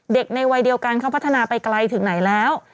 ในวัยเดียวกันเขาพัฒนาไปไกลถึงไหนแล้ว